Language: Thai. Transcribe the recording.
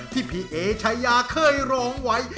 ที่พี่เอชายาเคยร้องไว้